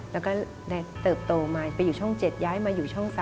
แล้วก็ได้เติบโตมาไปอยู่ช่อง๗ย้ายมาอยู่ช่อง๓